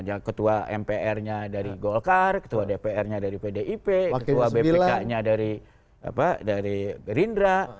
ya ketua mpr nya dari golkar ketua dpr nya dari pdip ketua bpk nya dari gerindra